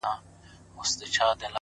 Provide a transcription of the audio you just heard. هغه اوس اوړي غرونه غرونه پـــرېږدي؛